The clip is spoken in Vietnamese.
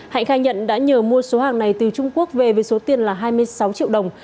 hạnh khai nhận đã nhờ mua số hàng này từ trung quốc về với số tiền là hai mươi sáu triệu đồng